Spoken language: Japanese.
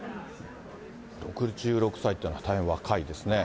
６６歳っていうのは、大変若いですね。